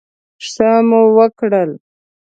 ښه مو وکړل.